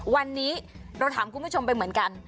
วันนี้เราถามคุณผู้ชมไปเหมือนกัน